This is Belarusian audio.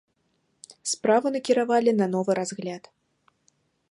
Справу накіравалі на новы разгляд.